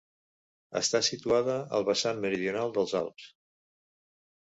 Està situada al vessant meridional dels Alps.